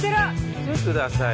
見てください。